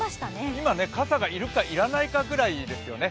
今ね、傘が要るか要らないかぐらいですね。